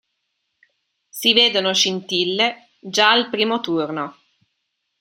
Si vedono scintille già al primo turno.